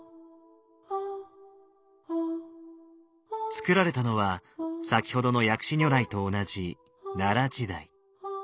造られたのは先ほどの薬師如来と同じ奈良時代。